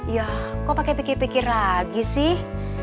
ya kok pakai pikir pikir lagi sih